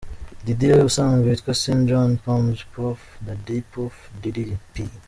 Diddy ubusanzwe witwa Sean John Combs, Puff Daddy, Puffy, Diddy, P.